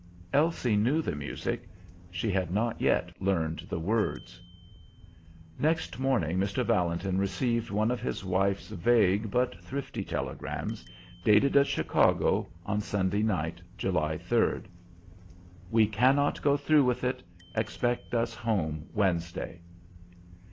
Elsie knew the music; she had not yet learned the words. Next morning Mr. Valentin received one of his wife's vague but thrifty telegrams, dated at Chicago, on Sunday night, July 3: "We cannot go through with it. Expect us home Wednesday."